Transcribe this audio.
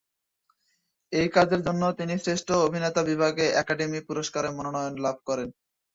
এই কাজের জন্য তিনি শ্রেষ্ঠ অভিনেতা বিভাগে একাডেমি পুরস্কারের মনোনয়ন লাভ করেন।